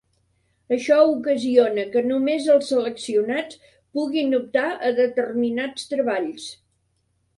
Això ocasiona que només els seleccionats puguin optar a determinats treballs.